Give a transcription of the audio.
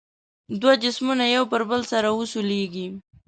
دوه جسمونه یو پر بل سره وسولیږي.